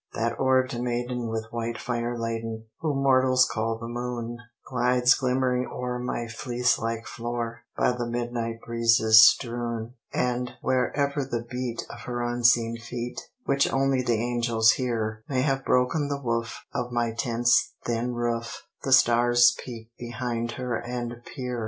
That orbed maiden with white fire laden, Whom mortals call the Moon, Glides glimmering o'er my fleece like floor, By the midnight breezes strewn; RAINBOW GOLD And wherever the beat of her unseen feet, Which only the angels hear, May have broken the woof of my tent's thin roof, The Stars peep behind her and peer.